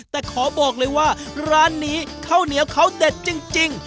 แต่ขอบอกเลยว่าร้านนี้ข้าวเหนียวเขาเด็ดจริง